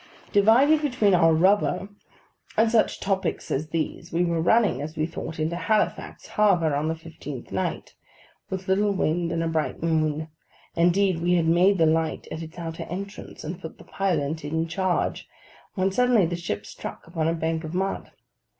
Divided between our rubber and such topics as these, we were running (as we thought) into Halifax Harbour, on the fifteenth night, with little wind and a bright moon—indeed, we had made the Light at its outer entrance, and put the pilot in charge—when suddenly the ship struck upon a bank of mud.